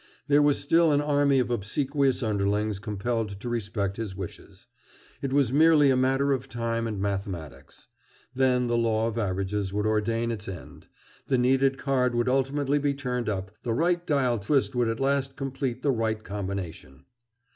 There was still an army of obsequious underlings compelled to respect his wishes. It was merely a matter of time and mathematics. Then the law of averages would ordain its end; the needed card would ultimately be turned up, the right dial twist would at last complete the right combination.